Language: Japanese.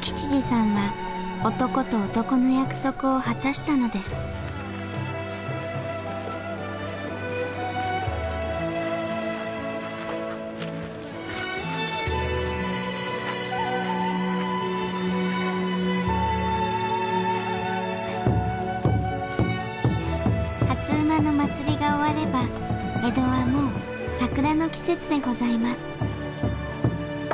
吉次さんは男と男の約束を果たしたのです初午の祭りが終われば江戸はもう桜の季節でございます